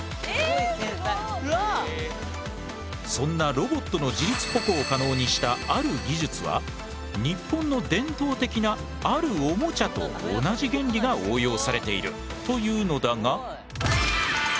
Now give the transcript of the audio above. そんなロボットの自立歩行を可能にしたある技術は日本の伝統的なあるおもちゃと同じ原理が応用されているというのだが。